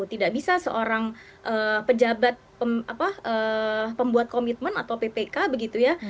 tidak bisa seorang pejabat pembuat komitmen atau ppk begitu ya